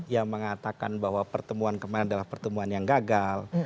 yang mengatakan bahwa pertemuan kemarin adalah pertemuan yang gagal